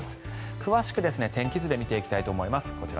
詳しく天気図で見ていきたいと思います。